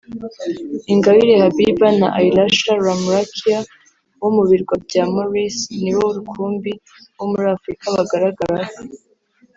Ingabire Habiba na Aylasha Ramrachia wo mu Birwa bya Maurice ni bo rukumbi bo muri Afurika bagaragaraho